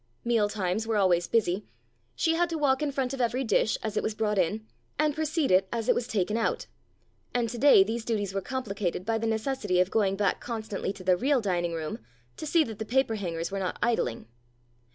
Meal times were always busy : she had to walk in front of every dish as it was brought in, and precede it as it was taken out, and to day these duties were complicated by the necessity of going back constantly to the real dining room to see that the paper hangers were not idling.